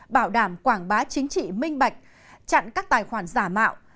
bảo đảm quảng bá chính trị minh bạch chặn các tài khoản giả mạo